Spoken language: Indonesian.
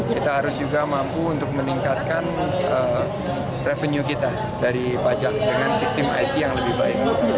kita harus juga mampu untuk meningkatkan revenue kita dari pajak dengan sistem it yang lebih baik